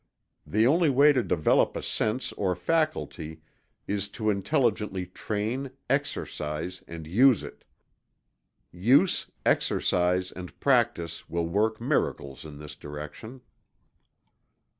The only way to develop a sense or faculty is to intelligently train, exercise and use it. Use, exercise and practice will work miracles in this direction.